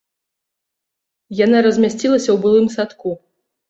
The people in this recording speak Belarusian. Яна размясцілася ў былым садку.